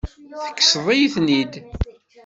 Tekkseḍ-iyi-ten-id.